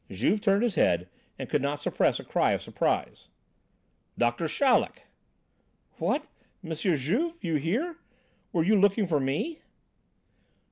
Juve turned his head and could not suppress a cry of surprise. "Doctor Chaleck!" "What! M. Juve! You here! Were you looking for me?"